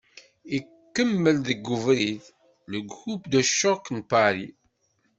Ikemmel deg ubrid "Le groupe de choc" n Pari.